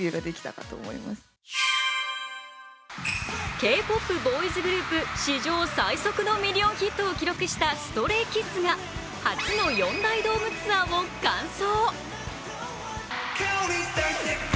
Ｋ−ＰＯＰボーイズグループ史上最速のミリオンヒットを記録したＳｔｒａｙＫｉｄｓが初の４大ドームツアーを完走。